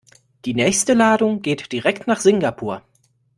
Die nächste Ladung geht direkt nach Singapur.